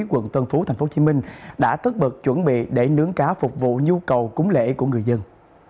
quận tân phú tp hcm đã tất bật chuẩn bị để nướng cá phục vụ nhu cầu cúng lễ của người dân